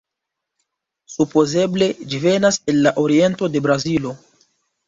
Supozeble ĝi venas el la oriento de Brazilo.